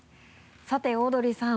さてオードリーさん。